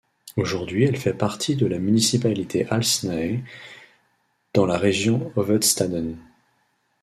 Aujourd'hui elle fait partie de la municipalité Halsnæs dans la region Hovedstaden.